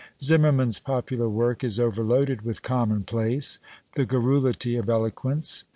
Zimmerman's popular work is overloaded with commonplace; the garrulity of eloquence.